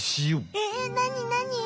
えなになに？